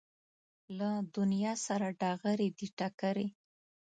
له دنیا سره ډغرې دي ټکرې